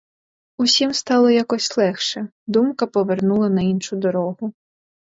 Усім стало якось легше: думка повернула на іншу дорогу.